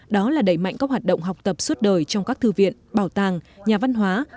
đó là đẩy mạnh các hoạt động học tập suốt đời trong các thư viện bảo tàng nhà văn hóa